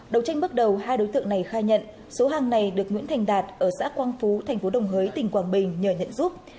đầu tranh bước đầu hai đối tượng này khai nhận số hàng này được nguyễn thành đạt ở xã quang phú thành phố đồng hới tỉnh quảng bình nhờ nhận giúp